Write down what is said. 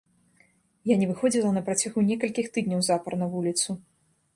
Я не выходзіла на працягу некалькіх тыдняў запар на вуліцу.